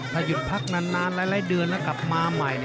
ถ้าหยุดพักนานหลายเดือนแล้วกลับมาใหม่